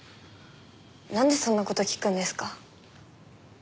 なんでそんな事聞くんですか？